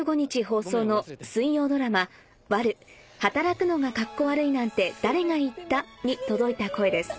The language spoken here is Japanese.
放送の水曜ドラマ『悪女働くのがカッコ悪いなんて誰が言った？』に届いた声です